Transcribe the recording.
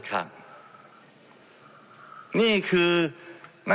ในการที่จะระบายยาง